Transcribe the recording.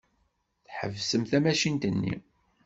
Tḥebsem tamacint-nni.